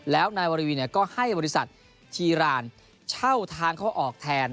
แล้วนายวรวีก็ให้บริษัททีรานเช่าทางเข้าออกแทน